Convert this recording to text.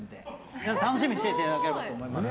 皆さん楽しみにしていただければと思います。